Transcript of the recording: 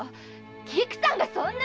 菊さんがそんな！